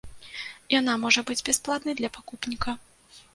Яна можа быць бясплатнай для пакупніка.